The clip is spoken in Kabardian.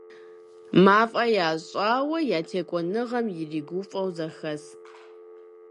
МафӀэ ящӀауэ, я текӀуэныгъэм иригуфӀэу зэхэст.